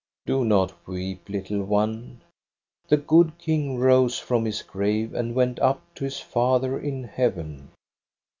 "'Do not weep, little one; the good King rose from his grave and went up to his Father in heaven.